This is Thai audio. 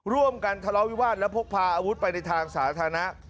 ร่วมกันทะเลาวิวาสและพกพาอาวุธไปในทางสาธารณะ